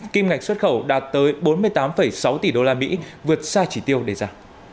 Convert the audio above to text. kim ngạch xuất khẩu đạt tới bốn mươi tám sáu tỷ đô la mỹ vượt xa chỉ tiêu đề ra